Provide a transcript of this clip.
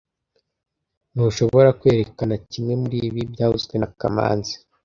Ntushobora kwerekana kimwe muribi byavuzwe na kamanzi